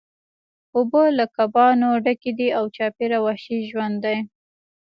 اوبه له کبانو ډکې دي او چاپیره وحشي ژوند دی